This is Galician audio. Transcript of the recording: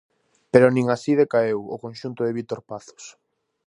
Pero nin así decaeu o conxunto de Vítor Pazos.